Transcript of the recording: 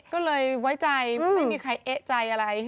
ก็เลยไว้ใจไม่มีใครเอ๊ะใจอะไร